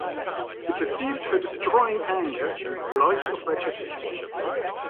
He perceived her destroying anger in the blight of vegetation.